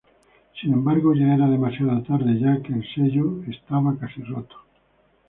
Sin embargo, ya era demasiado tarde ya que el sello ya estaba casi roto.